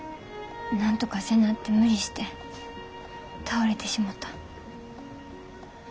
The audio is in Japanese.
なんとかせなって無理して倒れてしもた。